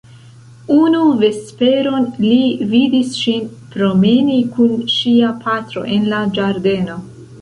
Unu vesperon li vidis ŝin promeni kun ŝia patro en la ĝardeno.